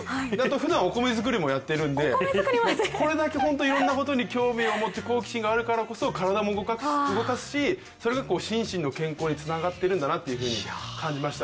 ふだんお米作りもやっているのでこれだけ、いろんなことに興味を持って好奇心があるからこそ体も動かすしそれが心身の健康につながってるんだと感じました。